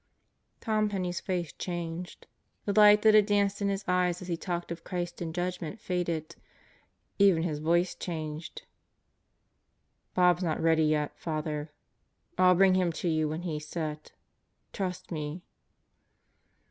Tom Penney's face changed. The light that had danced in his eyes as he talked of Christ and Judgment faded. Even his voice changed. "Bob's not ready yet, Father. I'll bring him to you when he's set. Trust me."